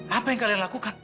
apa yang kalian lakukan